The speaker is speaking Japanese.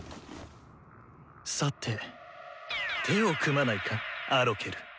さて手を組まないかアロケル。